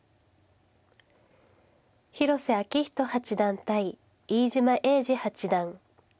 広瀬章人八段対飯島栄治八段。